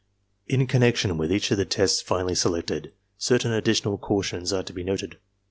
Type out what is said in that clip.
In connection with each of the tests finally selected, certain additional cautions are to be noted.